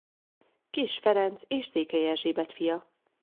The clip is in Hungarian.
Kiss Ferenc és Székely Erzsébet fia.